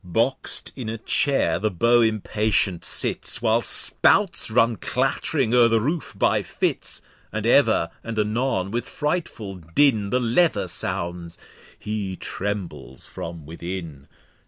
Box'd in a Chair the Beau impatient sits, While Spouts run clatt'ring o'er the Roof by Fits; And ever and anon with frightful Din The Leather sounds, he trembles from within.